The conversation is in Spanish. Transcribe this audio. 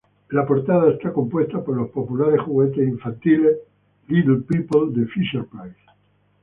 La portada está compuesta por los populares juguetes infantiles Little People de Fisher-Price.